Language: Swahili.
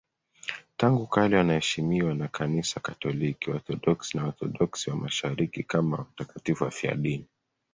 Tangu kale wanaheshimiwa na Kanisa Katoliki, Waorthodoksi na Waorthodoksi wa Mashariki kama watakatifu wafiadini.